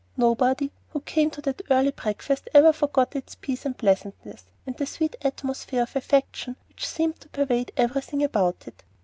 Nobody who came to that early breakfast ever forgot its peace and pleasantness and the sweet atmosphere of affection which seemed to pervade everything about it.